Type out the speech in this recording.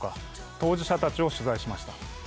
当事者たちを取材しました。